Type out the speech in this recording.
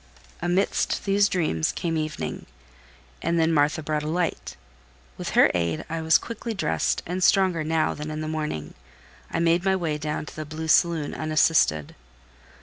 Amidst these dreams came evening, and then Martha brought a light; with her aid I was quickly dressed, and stronger now than in the morning, I made my way down to the blue saloon unassisted.